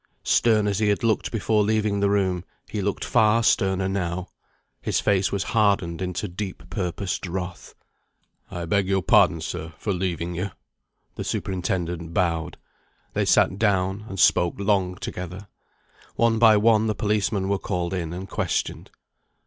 Stern as he had looked before leaving the room, he looked far sterner now. His face was hardened into deep purposed wrath. "I beg your pardon, sir, for leaving you." The superintendent bowed. They sat down, and spoke long together. One by one the policemen were called in, and questioned.